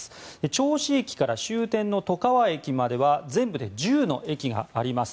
銚子駅から終点外川駅までは全部で１０の駅があります。